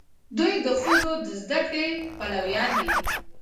دوی د ښځو د زده کړې پلویان دي.